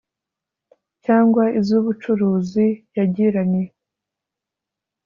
cyangwa iz ubucuruzi yagiranye